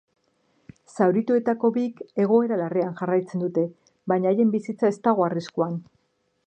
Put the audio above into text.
Zaurituetako bik egoera larrian jarraitzen dute, baina haien bizitza ez dago arriskuan.